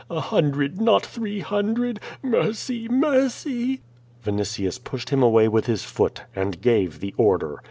A hundred, not three hundred! Mercy, mercy!" Vinitius pushed him away with his foot, and gave the or der.